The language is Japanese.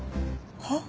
はっ？